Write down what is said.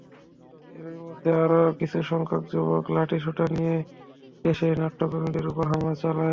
এরই মধ্যে আরও কিছুসংখ্যক যুবক লাঠিসোঁটা নিয়ে এসে নাট্যকর্মীদের ওপর হামলা চালায়।